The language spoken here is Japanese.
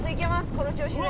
この調子で。